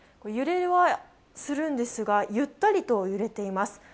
揺れはするんですが、ゆったりと揺れています。